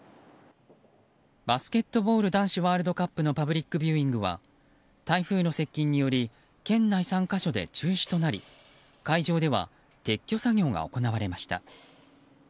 バスケットボール男子ワールドカップのパブリックビューイングは台風の接近により県内３か所で中止となり会場では撤去作業が行われました。